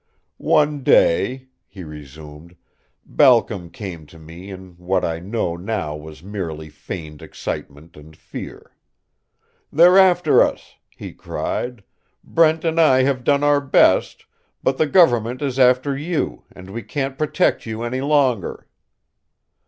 "One day," he resumed, "Balcom came to me in what I know now was merely feigned excitement and fear. 'They're after us!' he cried. 'Brent and I have done our best but the government is after you, and we can't protect you any longer.'